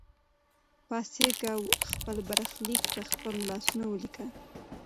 پاڅېږه او خپل برخلیک په خپلو لاسونو ولیکه.